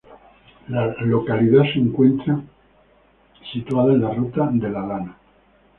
La localidad de se encuentra situada en la Ruta de la Lana.